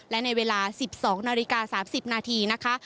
และในเวลา๑๒นาฬิกา๓๐นาทีนะคะ